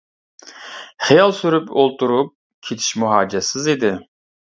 خىيال سۈرۈپ ئولتۇرۇپ كېتىشمۇ ھاجەتسىز ئىدى.